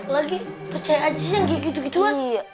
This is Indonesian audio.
lagi percaya aja sih yang gitu gituan